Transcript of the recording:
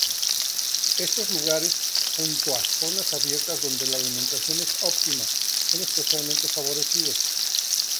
Estos lugares, junto a zonas abiertas donde la alimentación es óptima, son especialmente favorecidos.